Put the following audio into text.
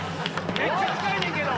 めっちゃ近いねんけど！